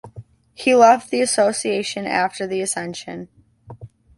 He left the association after the ascension.